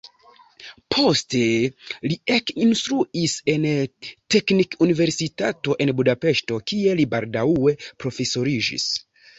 Poste li ekinstruis en la teknikuniversitato en Budapeŝto, kie li baldaŭe profesoriĝis.